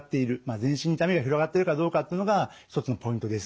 全身に痛みが広がってるかどうかっていうのが一つのポイントです。